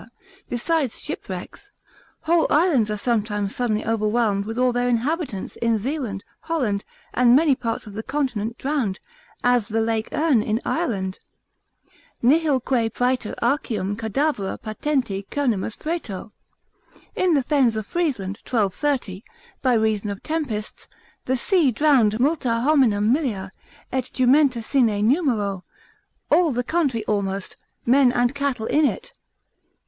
besides shipwrecks; whole islands are sometimes suddenly overwhelmed with all their inhabitants in Zealand, Holland, and many parts of the continent drowned, as the lake Erne in Ireland? Nihilque praeter arcium cadavera patenti cernimus freto. In the fens of Friesland 1230, by reason of tempests, the sea drowned multa hominum millia, et jumenta sine numero, all the country almost, men and cattle in it.